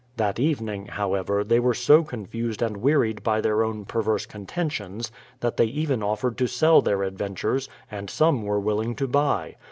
That evening, however, they were so confused and wearied by their own perverse contentions, that they even offered to sell their adventures, — and some were willing to buy.